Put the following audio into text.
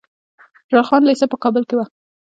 خوشحال خان لیسه په کابل کې وه.